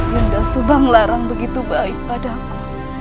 yanda subang larang begitu baik padaku